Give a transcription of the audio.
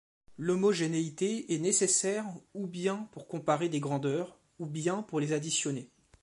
L'homogénéité est nécessaire ou bien pour comparer des grandeurs, ou bien pour les additionner.